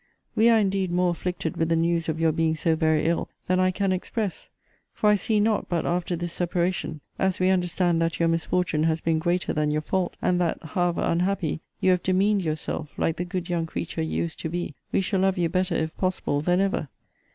We are indeed more afflicted with the news of your being so very ill than I can express; for I see not but, after this separation, (as we understand that your misfortune has been greater than your fault, and that, however unhappy, you have demeaned yourself like the good young creature you used to be,) we shall love you better, if possible, than ever.